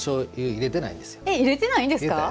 入れてないです。